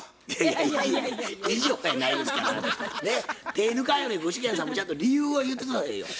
手ぇ抜かんように具志堅さんもちゃんと理由を言って下さいよ。